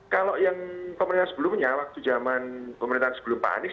kalau yang pemerintah sebelumnya waktu zaman pemerintahan sebelum pak anies